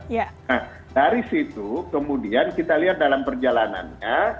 nah dari situ kemudian kita lihat dalam perjalanannya